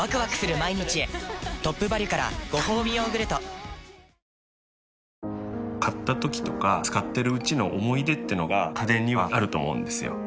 紙パンツ用パッドは「ライフリー」買ったときとか使ってるうちの思い出ってのが家電にはあると思うんですよ。